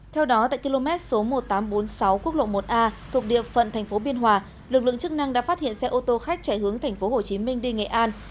theo đó tại km số một nghìn tám trăm bốn mươi sáu quốc lộ một a thuộc địa phận tp biên hòa lực lượng chức năng đã phát hiện xe ô tô khách chạy hướng tp hcm đi nghệ an